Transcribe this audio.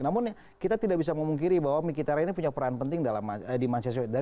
namun kita tidak bisa memungkiri bahwa mikitara ini punya peran penting di manchester